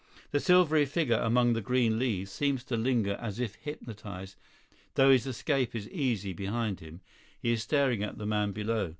The silvery figure among the green leaves seems to linger as if hypnotised, though his escape is easy behind him; he is staring at the man below.